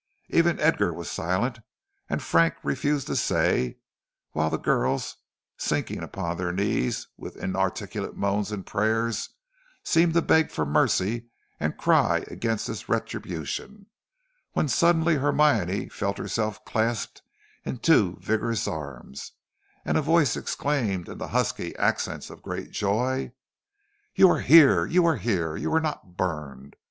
Even Edgar was silent, and Frank refused to say, while the girls, sinking upon their knees with inarticulate moans and prayers, seemed to beg for mercy and cry against this retribution, when suddenly Hermione felt herself clasped in two vigorous arms, and a voice exclaimed in the husky accents of great joy: "You are here! You are here! You are not burned!